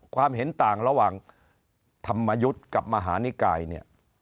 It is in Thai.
ความเห็นต่างระหว่างธรรมยุทธ์กับมหานิกายเนี่ย